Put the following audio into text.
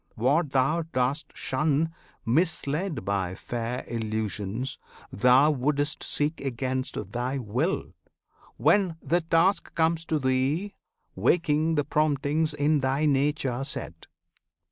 What thou dost shun, Misled by fair illusions, thou wouldst seek Against thy will, when the task comes to thee Waking the promptings in thy nature set.